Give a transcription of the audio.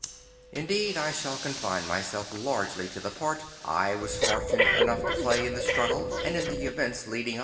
Instead I shall confine myself largely to the part I was fortunate enough to play in this struggle and in the events leading up to it.